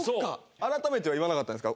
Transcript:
改めては言わなかったんですか？